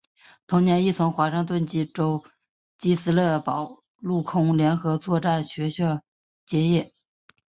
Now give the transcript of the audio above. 同年亦从华盛顿州基斯勒堡陆空联合作战学校结业。